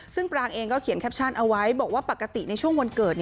ซึ่งปรางเองก็เขียนแคปชั่นเอาไว้บอกว่าปกติในช่วงวันเกิด